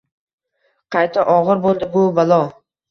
Qayta og’ir bo’ldi bu balo!